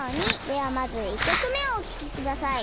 ではまず１きょくめをおききください。